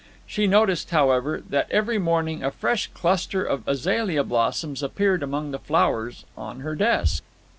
She noticed, however, that every morning a fresh cluster of azalea blossoms appeared among the flowers on her desk.